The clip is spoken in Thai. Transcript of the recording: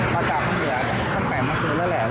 มาจากเผื่อต้องไปมาซื้อแล้วแหละ